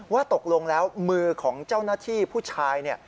ว่าตกลงแล้วมือของเจ้าหน้าที่ผู้ชาย